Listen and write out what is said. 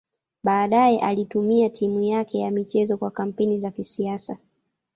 Baadaye alitumia timu yake ya michezo kwa kampeni za kisiasa.